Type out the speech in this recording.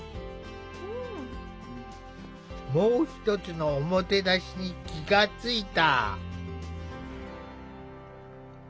もう一つの“おもてなし”に気が付いた。